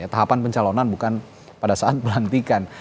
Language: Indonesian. tahapan pencalonan bukan pada saat pelantikan